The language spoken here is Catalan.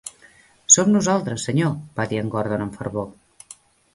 "Som nosaltres, senyor", va dir en Gordon, amb fervor.